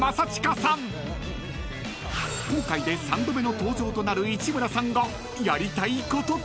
［今回で３度目の登場となる市村さんが］